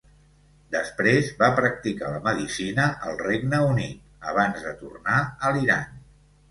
Després va practicar la medicina al Regne Unit, abans de tornar a l'Iran.